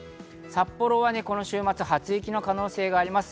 札幌はこの週末、初雪の可能性があります。